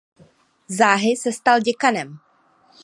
Záhy se stal děkanem.